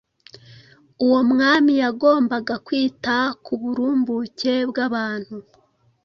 uwo mwami yagombaga kwita ku burumbuke bw’abantu,